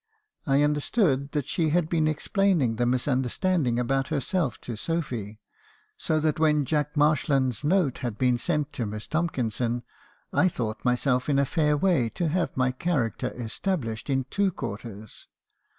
I understood that she had been explaining the misunderstanding about herself to Sophy; so that when Jack Marshland's note had been sent to Miss Tomkinson's , I thought myself in a fair way to have my character established in two quarters.